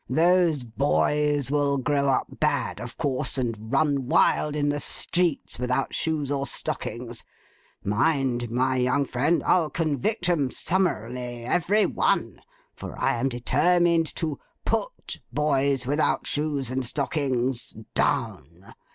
Those boys will grow up bad, of course, and run wild in the streets, without shoes and stockings. Mind, my young friend! I'll convict 'em summarily, every one, for I am determined to Put boys without shoes and stockings, Down.